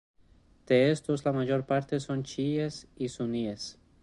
De estos la mayor parte son chiíes y suníes.